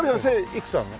いくつあるの？